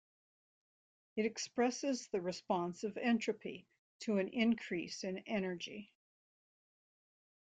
It expresses the response of entropy to an increase in energy.